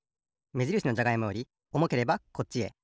めじるしのじゃがいもよりおもければこっちへ。